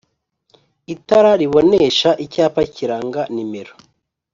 Itara ribonesha icyapa kiranga numero